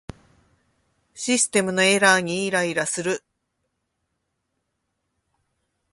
システムのエラーにイライラする